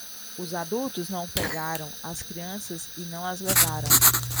Os adultos não pegaram as crianças e não as levaram